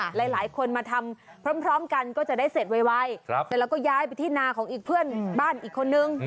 หลายคนมาทำพร้อมกันก็จะได้เสร็จไวเสร็จแล้วก็ย้ายไปที่นาของอีกเพื่อนบ้านอีกคนนึง